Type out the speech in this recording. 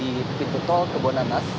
ipan jahitan di pintu tol kebonanas